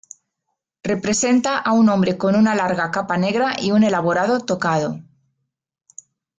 Representa a un hombre con una larga capa negra y un elaborado tocado.